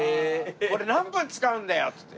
「これ何分使うんだよ！」っつって。